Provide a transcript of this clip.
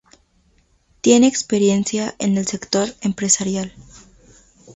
Tiene experiencia en el sector empresarial.